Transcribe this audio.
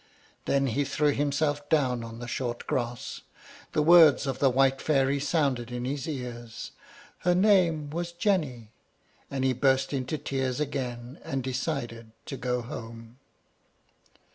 Then he threw himself down on the short grass. The words of the white fairy sounded in his ears, "Her name was Jenny"; and he burst into tears again, and decided to go home.